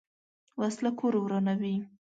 وسله کور ورانوي